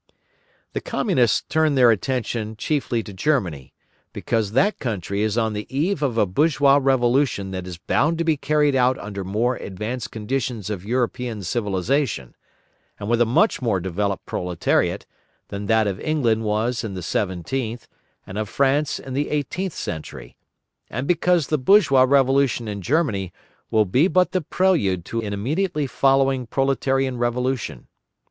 The Communists turn their attention chiefly to Germany, because that country is on the eve of a bourgeois revolution that is bound to be carried out under more advanced conditions of European civilisation, and with a much more developed proletariat, than that of England was in the seventeenth, and of France in the eighteenth century, and because the bourgeois revolution in Germany will be but the prelude to an immediately following proletarian revolution.